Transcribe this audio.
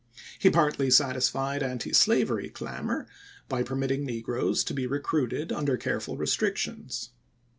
He partly satisfied antislavery clamor by permitting negi'oes to be recruited under careful restrictions.